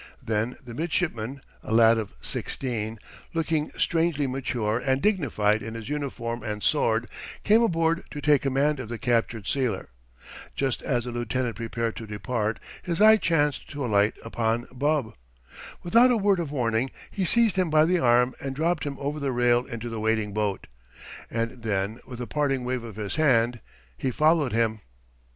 Then the midshipman, a lad of sixteen, looking strangely mature and dignified in his uniform and sword, came aboard to take command of the captured sealer. Just as the lieutenant prepared to depart his eye chanced to alight upon Bub. Without a word of warning, he seized him by the arm and dropped him over the rail into the waiting boat; and then, with a parting wave of his hand, he followed him.